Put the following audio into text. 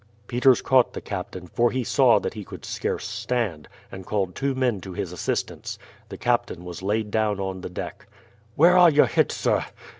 Peters caught the captain, for he saw that he could scarce stand, and called two men to his assistance. The captain was laid down on the deck. "Where are you hit, sir?"